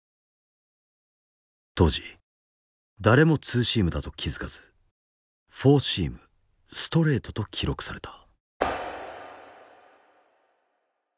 当時誰もツーシームだと気付かずフォーシームストレートと記録された。